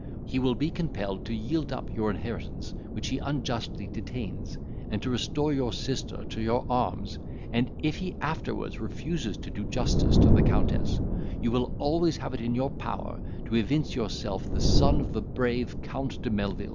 He will be compelled to yield up your inheritance which he unjustly detains, and to restore your sister to your arms; and if he afterwards refuses to do justice to the Countess, you will always have it in your power to evince yourself the son of the brave Count de Melvil."